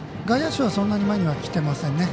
外野手はそんなに前には来ていません。